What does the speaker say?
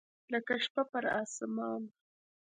لکه شپه پر اسمان